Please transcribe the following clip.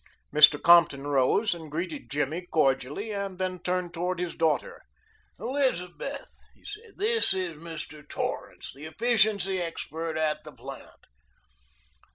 Mr. Compton rose and greeted Jimmy cordially and then turned toward his daughter. "Elizabeth," he said, "this is Mr. Torrance, the efficiency expert at the plant."